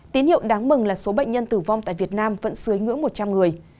tín hiệu đáng mừng là số bệnh nhân tử vong tại việt nam vẫn dưới ngưỡng một trăm linh người